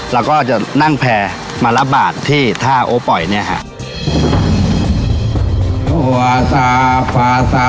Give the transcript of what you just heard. เราก็จะนั่งแพร่มารับบาทที่ท่าโอปอยเนี่ยค่ะ